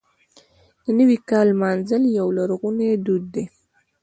د نوي کال لمانځل یو لرغونی دود دی.